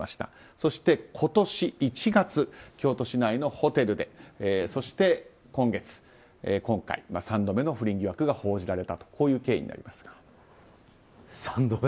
そして、今年１月京都市内のホテルでそして、今月３度目の不倫疑惑が報じられたという経緯になります。